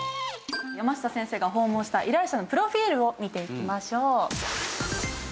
やました先生が訪問した依頼者のプロフィルを見ていきましょう。